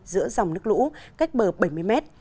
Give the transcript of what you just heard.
giữa dòng nước lũ cách bờ bảy mươi mét